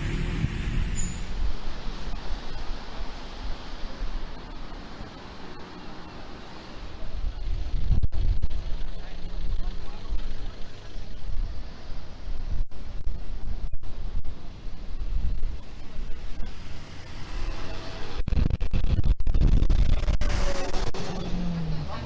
อุ๊ยรับทราบรับทราบ